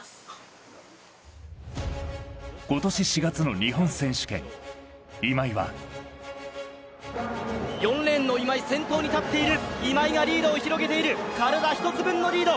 今年４月の日本選手権今井は４レーンの今井先頭に立っている今井がリードを広げている体１つ分のリード